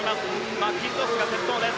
マッキントッシュが先頭です。